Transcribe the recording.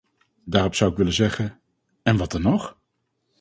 Daarop zou ik willen zeggen: en wat dan nog?